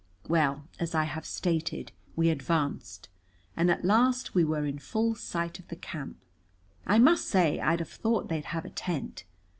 Well, as I have stated, we advanced, and at last we were in full sight of the camp. I must say I'd have thought they'd have a tent.